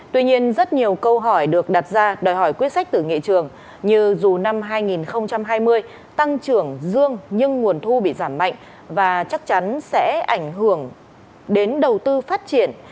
tuy nhiên rất nhiều câu hỏi được đặt ra đòi hỏi quyết sách từ nghệ trường như dù năm hai nghìn hai mươi tăng trưởng dương nhưng nguồn thu bị giảm mạnh và chắc chắn sẽ ảnh hưởng đến đầu tư phát triển